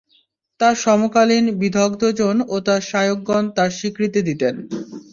তাঁর সমকালীন বিদগ্ধজন ও তার শায়খগণ তাঁর স্বীকৃতি দিতেন।